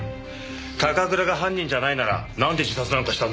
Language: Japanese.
高倉が犯人じゃないならなんで自殺なんかしたんだ？